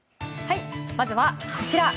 まずはこちら。